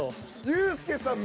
ユースケさん